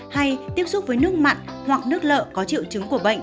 hay tiếp xúc với nước mặn hoặc nước lợ có triệu chứng của bệnh